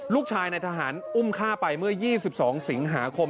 ลูกชายในทหารอุ้มฆ่าไปเมื่อ๒๒สิงหาคม